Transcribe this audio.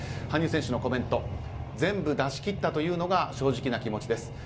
羽生選手のコメント全部出し切ったというのが正直な気持ちです。